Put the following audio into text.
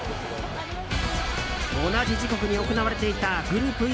同じ時刻に行われていたグループＥ